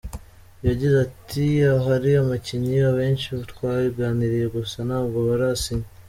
Yagize ati “Hari abakinnyi benshi twaganiriye gusa ntabwo barasinya.